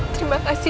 terima kasih ya allah